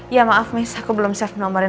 ya maaf miss aku belum save nomornya